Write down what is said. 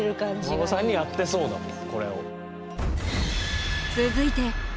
お孫さんにやってそうだもんこれを。